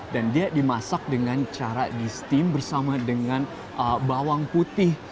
dan dia dimasak dengan cara di steam bersama dengan bawang putih